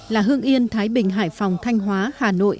là hương yên thái bình hải phòng thanh hóa hà nội